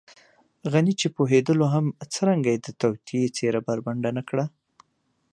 غني چې پوهېدلو هم څرنګه يې د توطیې څېره بربنډه نه کړه.